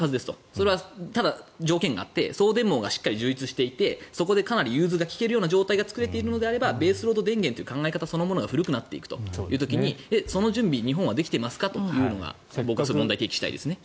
それはただ、条件があって送電網がしっかり充実していてそこでかなり融通が利ける状況が作られているのであればベースロード電源という考え方そのものが古くなっていくという時にその準備、日本はできていますかというのが僕は問題提起したいですね。